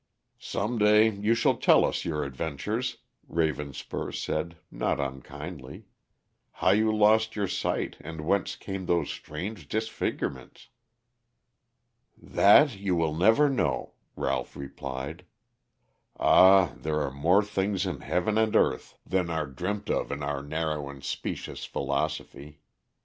"Some day you shall tell us your adventures," Ravenspur said not unkindly, "how you lost your sight, and whence came those strange disfigurements." "That you will never know," Ralph replied. "Ah, there are more things in heaven and earth than are dreamt of in our narrow and specious philosophy.